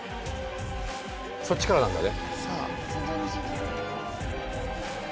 そっちからなんだね。